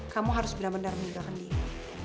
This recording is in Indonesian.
kamu harus benar benar meninggalkan diri